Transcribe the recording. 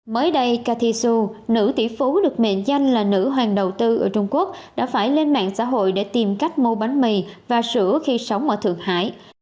mới đây katisu nữ tỷ phú được mệnh danh là nữ hoàng đầu tư ở trung quốc đã phải lên mạng xã hội để tìm cách mua bánh mì và sữa khi sống ở thượng hải